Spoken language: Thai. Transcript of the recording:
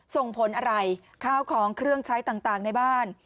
ส่งผลอะไรข้าวของเครื่องใช้ต่างในบ้าน